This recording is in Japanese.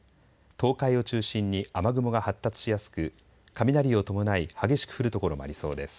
東海を中心に雨雲が発達しやすく雷を伴い激しく降る所もありそうです。